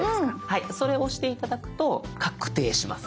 はいそれを押して頂くと確定します。